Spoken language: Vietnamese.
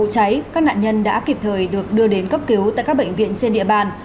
các nạn nhân đã kịp thời được đưa đến cấp cứu tại các bệnh viện trên địa bàn